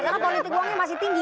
karena politik uangnya masih tinggi